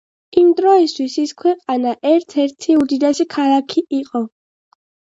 იმ დროისთვის ის ქვეყნის ერთ-ერთი უდიდესი ქალაქი იყო.